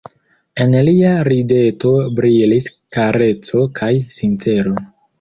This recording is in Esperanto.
En lia rideto brilis kareco kaj sincero.